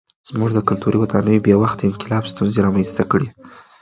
زموږ د کلتوري ودانیو بې وخته انقلاب ستونزې رامنځته کړې.